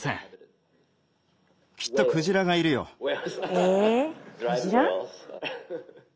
えクジラ？